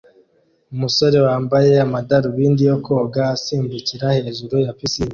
umusore wambaye amadarubindi yo koga asimbukira hejuru ya pisine